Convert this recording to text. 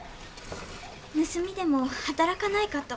盗みでも働かないかと。